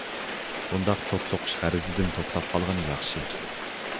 بۇنداق چوت سوقۇش غەرىزىدىن توختاپ قالغىنى ياخشى.